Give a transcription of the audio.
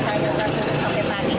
kalau misalnya kasus sampai pagi kan ya